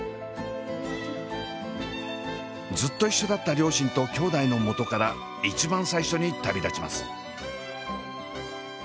ずっと一緒だった両親ときょうだいのもとから一番最初に旅立ちます。